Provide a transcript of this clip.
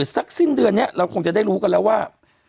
สิ้นเดือนนี้เราคงจะได้รู้กันแล้วว่า